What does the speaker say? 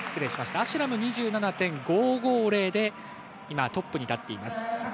アシュラムは２７．５５０でトップに立っています。